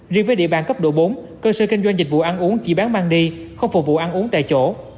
riêng với địa bàn cấp độ bốn cơ sở kinh doanh dịch vụ ăn uống chỉ bán mang đi không phục vụ ăn uống tại chỗ